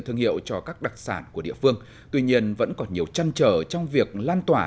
thương hiệu cho các đặc sản của địa phương tuy nhiên vẫn còn nhiều chăn trở trong việc lan tỏa